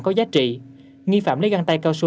có giá trị nghi phạm lấy găng tay cao su